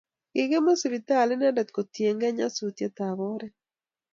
Kikimut sipitali inendet kotienge nyasutiet ab oret